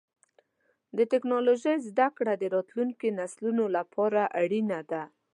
د ټکنالوجۍ زدهکړه د راتلونکو نسلونو لپاره اړینه ده.